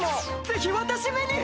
ぜひ私めに！